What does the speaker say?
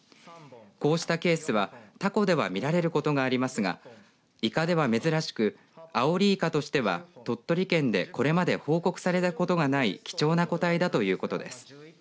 こうしたケースは、たこでは見られることがありますがいかでは珍しくアオリイカとしては鳥取県で、これまで報告されたことがない貴重な個体だということです。